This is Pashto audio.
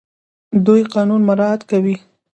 دوی قانون مراعات کوي.